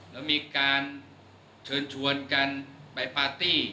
และมีการเชิญชวนกันไปปาร์ตี้เสพยา